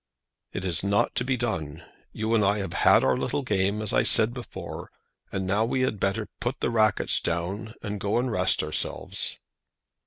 It is not to be done. You and I have had our little game, as I said before, and now we had better put the rackets down and go and rest ourselves."